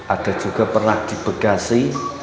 ada juga pernah di bekasi